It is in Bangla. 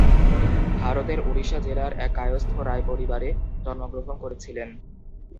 ভারতের উড়িষ্যা জেলার এক কায়স্থ রায় পরিবারে জন্মগ্রহণ করেছিলেন।।